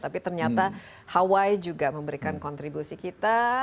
tapi ternyata hawaii juga memberikan kontribusi kita